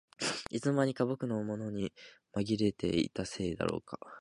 いつの間にか僕のものにまぎれていたせいだろうか